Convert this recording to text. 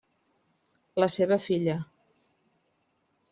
La seva filla.